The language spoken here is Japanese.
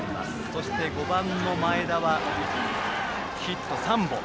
そして５番の前田はヒット３本。